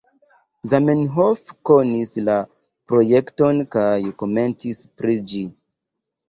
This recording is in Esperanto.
Zamenhof konis la projekton kaj komentis pri ĝi.